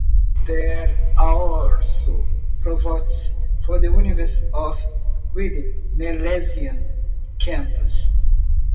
There are also Provosts for the University of Reading Malaysia Campus.